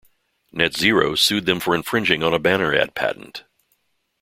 NetZero sued them for infringing on a banner ad patent.